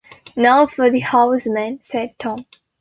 "Now for the house, men," said Tom.